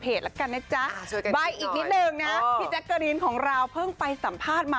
เพจละกันนิจหนึ่งหนึ่งนะอ้ะพรึ่งไปสัมภาษณ์